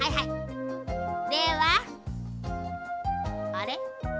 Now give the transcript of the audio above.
あれ？